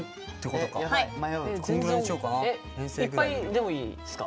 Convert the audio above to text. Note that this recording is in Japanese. いっぱいでもいいですか？